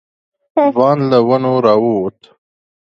ځوان له ونو راووت.